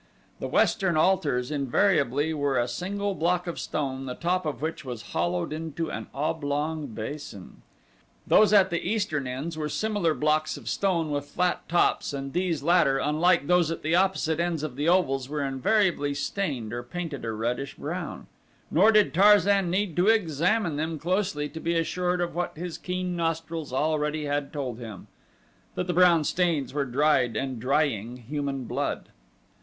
The western altars invariably were a single block of stone the top of which was hollowed into an oblong basin. Those at the eastern ends were similar blocks of stone with flat tops and these latter, unlike those at the opposite ends of the ovals were invariably stained or painted a reddish brown, nor did Tarzan need to examine them closely to be assured of what his keen nostrils already had told him that the brown stains were dried and drying human blood.